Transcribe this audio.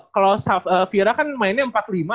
kalo fira kan mainnya